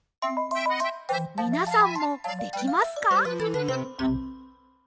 みなさんもできますか？